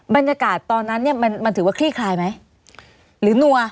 บรรยากาศตอนนั้นเนี่ยมันถือว่าคลี่คลายไหมหรือนัว